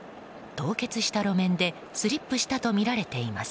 凍結した路面でスリップしたとみられています。